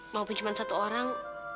maupun cuma satu orang